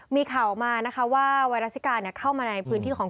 มีข่าวออกมานะคะว่าไวรัสซิกาเข้ามาในพื้นที่ของ